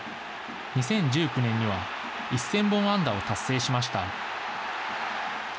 ２０１９年には１０００本安打を達成しました。